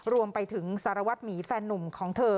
รวมไปถึงสารวัตรหมีแฟนหนุ่มของเธอ